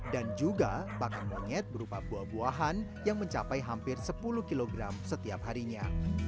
dan juga pakan monyet berupa buah buahan yang mencapai hampir sepuluh kilogram setiap harinya